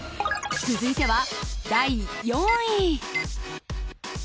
続いては第４位。